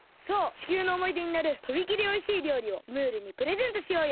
地球のおもいでになるとびきりおいしいりょうりをムールにプレゼントしようよ。